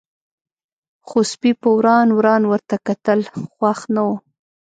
خو سپي په وران وران ورته کتل، خوښ نه و.